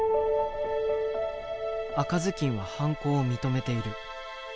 赤ずきんは犯行を認めている。